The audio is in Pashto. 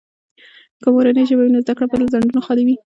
که مورنۍ ژبه وي، نو زده کړه به له خنډونو خالي وي.